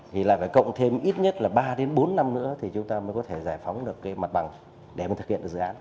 thì lại phải cộng thêm ít nhất ba bốn năm nữa thì chúng ta mới có thể giải phóng được mặt bằng để thực hiện dự án